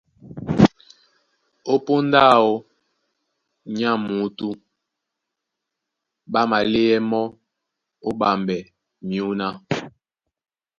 Ó póndá áō nyá muútú, ɓá maléɛ́ mɔ́ ó ɓambɛ myǔná.